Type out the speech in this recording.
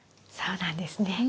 そうなんですね。